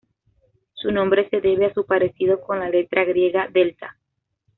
Su nombre se debe a su parecido con la letra griega delta.